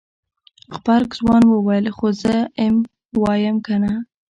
غبرګ ځوان وويل خو زه ام وايم کنه.